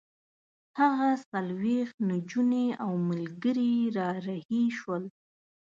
هغه څلوېښت نجونې او ملګري را رهي شول.